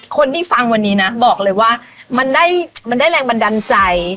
คนที่ฟังวันนี้นะบอกเลยว่ามันได้แรงบันดาลใจ